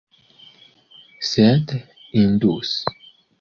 Sed indus!